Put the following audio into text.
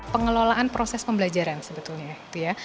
pengelolaan proses pembelajaran sebetulnya